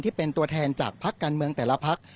ที่เป็นตัวแทนจากพักการเมืองแต่ละพัก